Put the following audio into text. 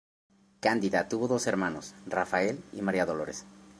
Cándida tuvo dos hermanos, Rafael y Mª Dolores.